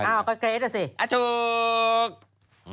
อาถุล